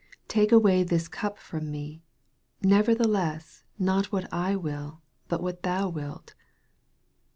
" Take away this cup from me : nevertheless not what I will, but what thou wilt."